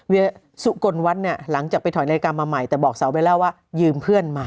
เวียสู้ก้นเนี่ยหลังจากไปถอยรายการมาใหม่แต่บอกสาวเวลาว่ายืมเพื่อนมา